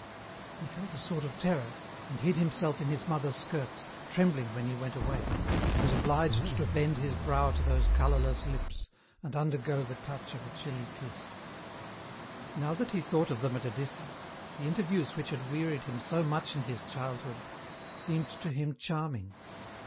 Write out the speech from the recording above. He felt a sort of terror, and hid himself in his mother's skirts, trembling when he went away, and was obliged to bend his brow to those colourless lips, and undergo the touch of a chilly kiss. C 1 8 EN ROUTE. Now that he thought of them at a distance, the interviews which had wearied him so much in his childhood, seemed to him charming.